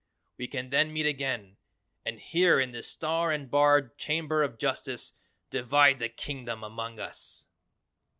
We can then meet again and here in this star and barred Chamber of Justice divide the Kingdom among us."